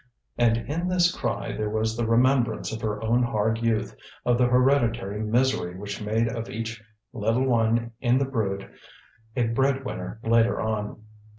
And in this cry there was the remembrance of her own hard youth, of the hereditary misery which made of each little one in the brood a bread winner later on.